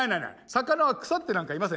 魚は腐ってなんかいません。